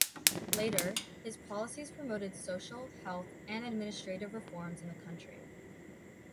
Later, his policies promoted social, health and administrative reforms in the country.